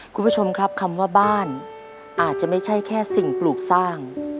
คุณผู้ชมครับคำว่าบ้านอาจจะไม่ใช่แค่สิ่งปลูกสร้าง